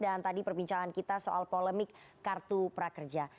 tadi perbincangan kita soal polemik kartu prakerja